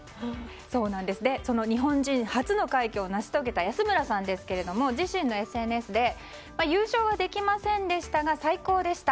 その日本人初の快挙を成し遂げた安村さんですが自身のＳＮＳで優勝はできませんでしたが最高でした。